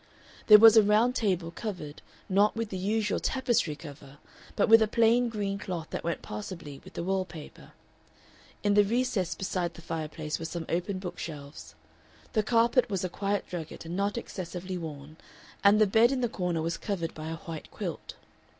There was a round table covered, not with the usual "tapestry" cover, but with a plain green cloth that went passably with the wall paper. In the recess beside the fireplace were some open bookshelves. The carpet was a quiet drugget and not excessively worn, and the bed in the corner was covered by a white quilt.